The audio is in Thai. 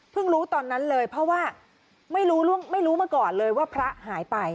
รู้ตอนนั้นเลยเพราะว่าไม่รู้มาก่อนเลยว่าพระหายไป